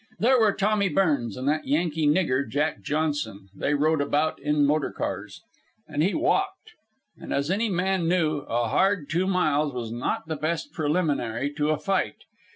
There were Tommy Burns and that Yankee nigger, Jack Johnson they rode about in motor cars. And he walked! And, as any man knew, a hard two miles was not the best preliminary to a fight.